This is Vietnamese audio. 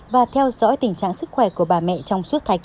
và theo dõi tình trạng sức khỏe của bà mẹ trong suốt thai kỳ